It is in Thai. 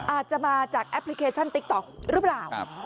อาจจะมาจากแอปพลิเคชันติ๊กต๊อกหรือเปล่า